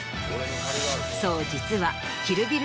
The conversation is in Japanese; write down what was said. そう実は。